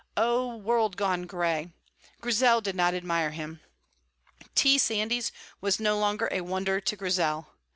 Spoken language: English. oh, world gone gray! Grizel did not admire him. T. Sandys was no longer a wonder to Grizel.